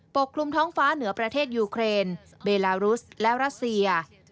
กคลุมท้องฟ้าเหนือประเทศยูเครนเบลารุสและรัสเซีย